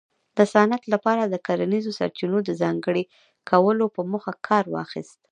د صنعت لپاره د کرنیزو سرچینو د ځانګړي کولو په موخه کار واخیست